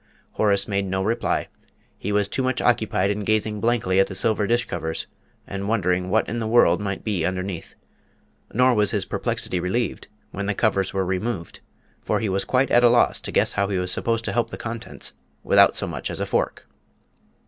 Horace made no reply; he was too much occupied in gazing blankly at the silver dish covers and wondering what in the world might be underneath; nor was his perplexity relieved when the covers were removed, for he was quite at a loss to guess how he was supposed to help the contents without so much as a fork.